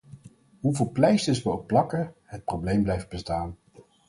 Hoeveel pleisters we ook plakken, het probleem blijft bestaan.